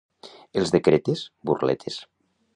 Els de Cretes, burletes.